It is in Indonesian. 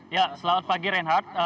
ya selamat pagi reinhardt